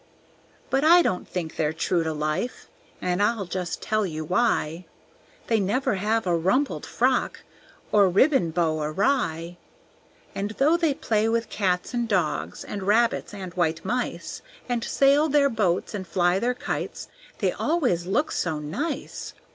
But I don't think they're true to life, And I'll just tell you why; They never have a rumpled frock Or ribbon bow awry. And though they play with cats and dogs, And rabbits and white mice, And sail their boats and fly their kites, They always look so nice.